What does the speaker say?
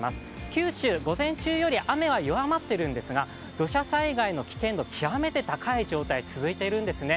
九州、午前中より雨は弱まっているんですが、土砂災害の危険度極めて高い状態が続いているんですね。